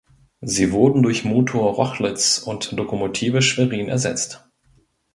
Sie wurden durch Motor Rochlitz und Lokomotive Schwerin ersetzt.